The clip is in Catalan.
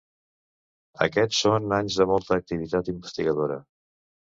Aquests són anys de molta activitat investigadora.